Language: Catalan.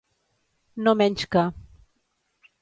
No menys que.